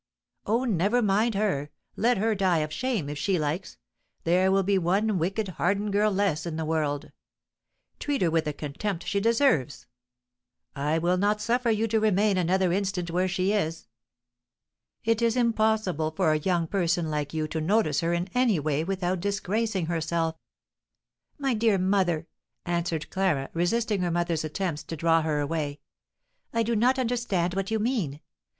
"Oh, never mind her! Let her die of shame, if she likes, there will be one wicked, hardened girl less in the world. Treat her with the contempt she deserves. I will not suffer you to remain another instant where she is. It is impossible for a young person like you to notice her in any way without disgracing herself." "My dear mother," answered Clara, resisting her mother's attempts to draw her away, "I do not understand what you mean.